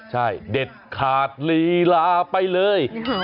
ใช่เด็ดขาดลีลาไปเลย